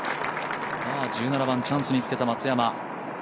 １７番、チャンスにつけた松山